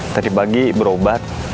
tadi pagi berobat